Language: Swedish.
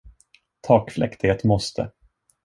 Takfläkt är ett måste!